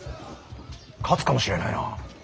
勝つかもしれないな。